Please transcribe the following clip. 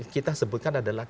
kita sebutkan adalah